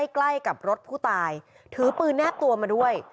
ใกล้กับรถผู้ตายถือปืนแนบตัวมาด้วย